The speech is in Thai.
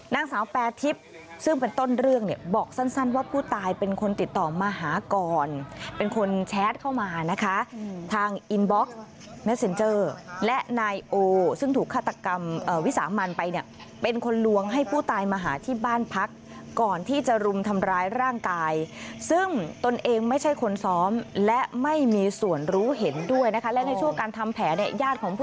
นางสาวแปรทิพย์ซึ่งเป็นต้นเรื่องเนี่ยบอกสั้นว่าผู้ตายเป็นคนติดต่อมาหาก่อนเป็นคนแชทเข้ามานะคะทางอินบ็อกซ์เมสเซ็นเจอร์และนายโอซึ่งถูกฆาตกรรมวิสามันไปเนี่ยเป็นคนลวงให้ผู้ตายมาหาที่บ้านพักก่อนที่จะรุมทำร้ายร่างกายซึ่งตนเองไม่ใช่คนซ้อมและไม่มีส่วนรู้เห็นด้วยนะคะและในช่วงการทำแผน